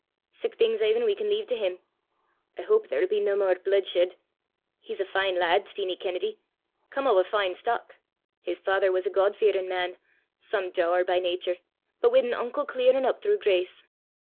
Sic things aiven we can lea' to him! I houp there'll be nae mair bludeshed! He's a fine lad, Steenie Kennedy come o' a fine stock! His father was a God fearin' man some dour by natur, but wi' an unco clearin' up throuw grace.